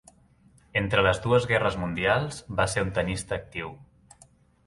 Entre les dues guerres mundials, va ser un tennista actiu.